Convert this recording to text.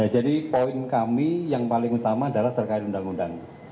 jadi poin kami yang paling utama adalah terkait undang undang